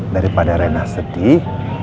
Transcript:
daripada rena sedih